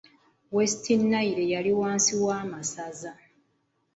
West Nile yali wansi w'amasaza.